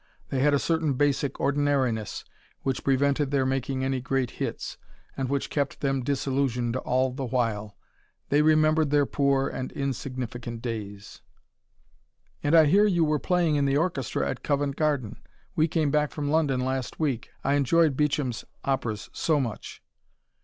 They had a certain basic ordinariness which prevented their making any great hits, and which kept them disillusioned all the while. They remembered their poor and insignificant days. "And I hear you were playing in the orchestra at Covent Garden. We came back from London last week. I enjoyed Beecham's operas so much."